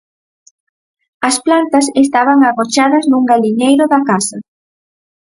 As plantas estaban agochadas nun galiñeiro da casa.